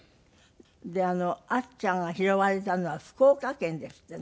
であっちゃんが拾われたのは福岡県ですってね。